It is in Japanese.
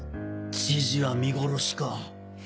知事は見殺しか？